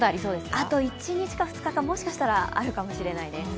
あと一日か二日、もしかしたらあるかもしれないです。